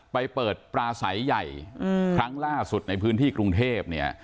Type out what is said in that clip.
ไปเปิดปลาใสใหญ่ครั้งล่าสุดในพื้นที่กรุงเทพเนี่ย